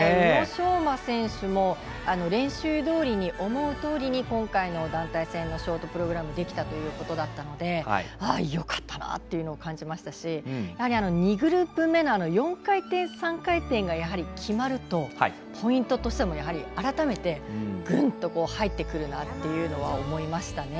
宇野昌磨選手も練習どおりに思うとおりに今回の団体戦のショートプログラムができたということだったのでよかったなということを感じましたし２グループ目、４回転３回転がやはり決まるとポイントとしては改めて、ぐんと入ってくるということは思いました。